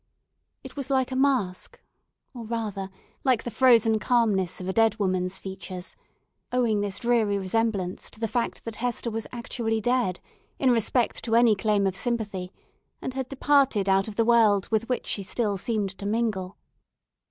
It was like a mask; or, rather like the frozen calmness of a dead woman's features; owing this dreary resemblance to the fact that Hester was actually dead, in respect to any claim of sympathy, and had departed out of the world with which she still seemed to mingle.